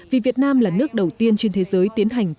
vì việt nam là nước đầu tiên trên thế giới tiến hành